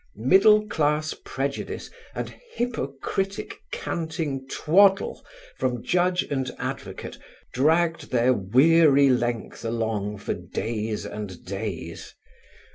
Middle class prejudice and hypocritic canting twaddle from Judge and advocate dragged their weary length along for days and days.